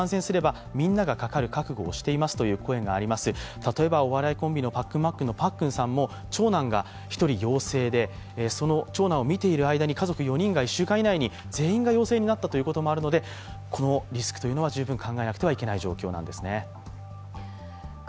例えばお笑いコンビのパックンマックンのパックンさんも長男が１人陽性で、その長男を見ている間に家族４人が１週間以内に全員が陽性になったということもあるのでこのリスクは十分考えなくてはいけない状況なんですね。